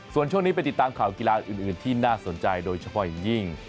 ส่วนช่วงนี้ไปติดตามข่าวกีฬาอื่นที่น่าสนใจโดยเฉพาะอย่างยิ่ง